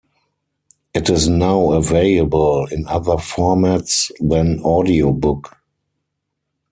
It is now available in other formats than audiobook.